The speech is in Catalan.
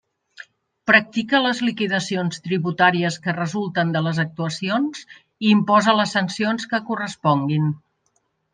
Practica les liquidacions tributàries que resulten de les actuacions i imposa les sancions que corresponguin.